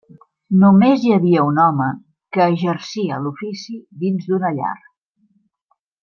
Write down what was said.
Només hi havia un home que exercia l'ofici dins d'una llar.